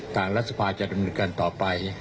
ต่างรัฐสภาจากกำหนดกันต่อไป